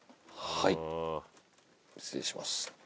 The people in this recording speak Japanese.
はい失礼します。